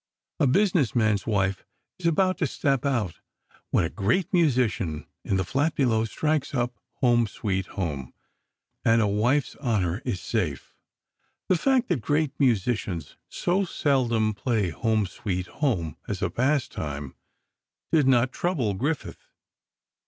A business man's wife is about to "step out," when a "great musician" in the flat below strikes up "Home, Sweet Home," and a wife's honor is safe. The fact that great musicians so seldom play "Home, Sweet Home" as a pastime, did not trouble Griffith.